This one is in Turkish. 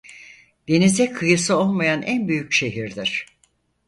Denize kıyısı olmayan en büyük şehirdir.